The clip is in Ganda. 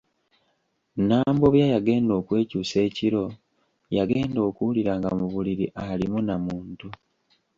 Nambobya yagenda okwekyusa ekiro yagenda okuwulira nga mu buliri alimu na muntu.